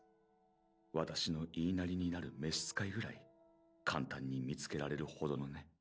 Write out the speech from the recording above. わたしの言いなりになる召使いぐらい簡単に見つけられるほどのね。